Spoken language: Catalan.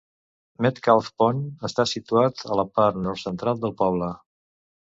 Metcalf Pond està situat a la part nord-central del poble.